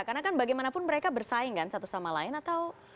karena kan bagaimanapun mereka bersaing kan satu sama lain atau